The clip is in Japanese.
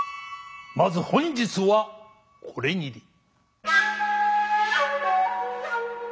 まず本日はこれぎり。